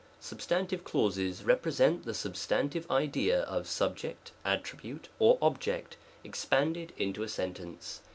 Substantive clauses represent the substantive idea of subject, attribute, or object, expanded into a sentence.